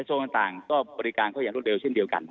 ซึ่งก่อนไปพาบอกว่าเป็นจุดสวยดีด้วยอย่างเดียวกัน